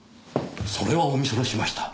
それはお見それしました。